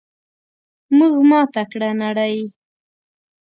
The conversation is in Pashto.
موږ ماته کړه نړۍ!